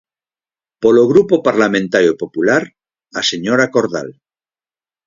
Polo Grupo Parlamentario Popular, a señora Cordal.